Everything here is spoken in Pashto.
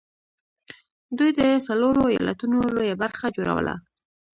دوی د څلورو ايالتونو لويه برخه جوړوله